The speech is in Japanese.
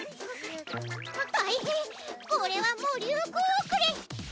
大変これはもう流行遅れ。